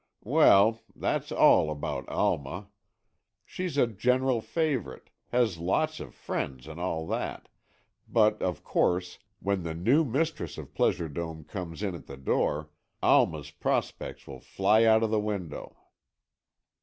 "Well, that's all about Alma. She's a general favourite, has lots of friends, and all that, but of course, when the new mistress of Pleasure Dome comes in at the door, Alma's prospects will fly out of the window."